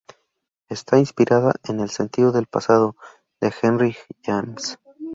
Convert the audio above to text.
Está inspirada en "El sentido del pasado", de Henry James.